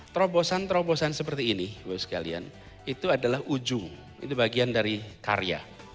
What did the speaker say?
terobosan terobosan seperti ini ibu sekalian itu adalah ujung itu bagian dari karya